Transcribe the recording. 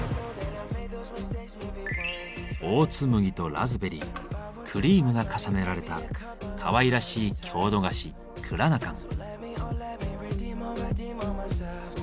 オーツ麦とラズベリークリームが重ねられたかわいらしい郷土菓子「クラナカン」。